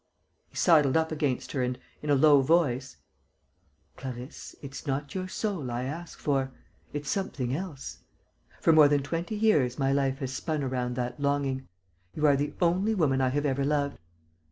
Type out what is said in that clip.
He sidled up against her and, in a low voice: "Clarisse, it's not your soul I ask for.... It's something else.... For more than twenty years my life has spun around that longing. You are the only woman I have ever loved....